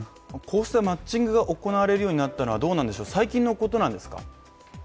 こうしたマッチングが行われるようになったのは最近のことなんですか？